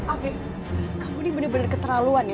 oke kamu ini benar benar keterlaluan ya